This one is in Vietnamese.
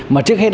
mà trước hết đó